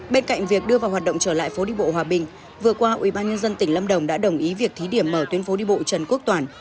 bên cạnh việc đưa vào hoạt động trở lại phố đi bộ hòa bình vừa qua ubnd tỉnh lâm đồng đã đồng ý việc thí điểm mở tuyến phố đi bộ trần quốc toàn